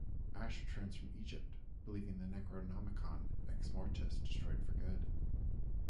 Ash returns from Egypt, believing the Necronomicon Ex-Mortis destroyed for good.